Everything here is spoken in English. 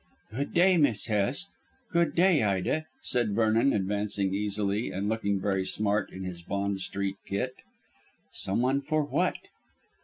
"Good day, Miss Hest; good day, Ida," said Vernon advancing easily, and looking very smart in his Bond Street kit. "Someone for what?"